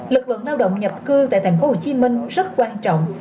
lực lượng lao động nhập cư tại thành phố hồ chí minh rất quan trọng